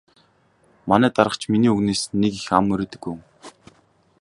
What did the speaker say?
Манай дарга ч миний үгнээс нэг их ам мурийдаггүй хүн.